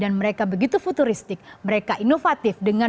dan mereka begitu futuristik mereka inovatif mereka berpengalaman